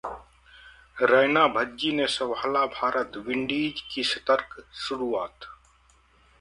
रैना-भज्जी ने संभाला भारत, विंडीज की सतर्क शुरुआत